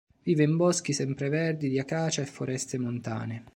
Vive in boschi sempreverdi, di acacia e foreste montane.